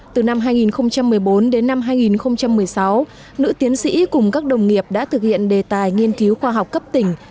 từ năm hai nghìn một mươi bốn đến năm hai nghìn một mươi sáu nữ tiến sĩ cùng các đồng nghiệp đã thực hiện đề tài nghiên cứu khoa học cấp tỉnh